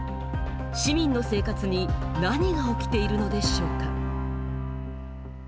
市民の生活に何が起きているのでしょうか。